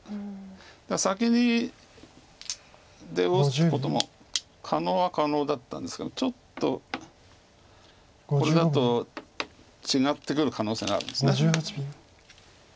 だから先に出を打つことも可能は可能だったんですけどちょっとこれだと違ってくる可能性があるんです。